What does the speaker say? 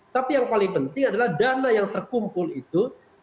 tapi yang paling penting adalah dana yang terkumpul itu tidak digunakan untuk bervoye voye